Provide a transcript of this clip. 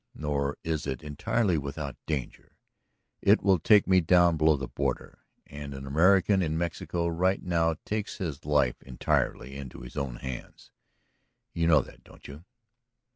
Nor is it entirely without danger. It will take me down below the border, and an American in Mexico right now takes his life entirely into his own hands. You know that, don't you?"